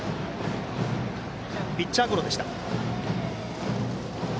ピッチャーゴロでした。